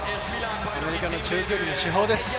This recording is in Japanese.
アメリカの中距離の主砲です。